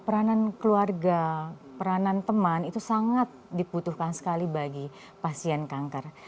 peranan keluarga peranan teman itu sangat dibutuhkan sekali bagi pasien kanker